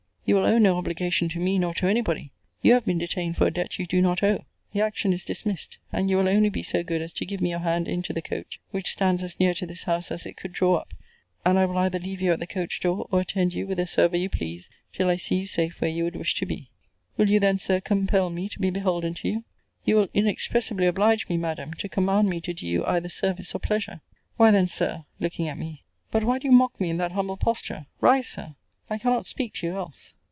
You will owe no obligation to me, nor to any body. You have been detained for a debt you do not owe. The action is dismissed; and you will only be so good as to give me your hand into the coach, which stands as near to this house as it could draw up. And I will either leave you at the coach door, or attend you whithersoever you please, till I see you safe where you would wish to be. Will you then, Sir, compel me to be beholden to you? You will inexpressibly oblige me, Madam, to command me to do you either service or pleasure. Why then, Sir, [looking at me] but why do you mock me in that humble posture! Rise, Sir! I cannot speak to you else.